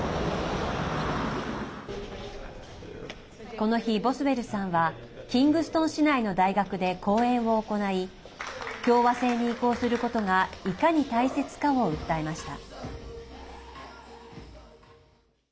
この日、ボスウェルさんはキングストン市内の大学で講演を行い共和制に移行することがいかに大切かを訴えました。